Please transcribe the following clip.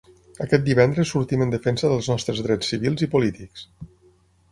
Aquest divendres sortim en defensa dels nostres drets civils i polítics!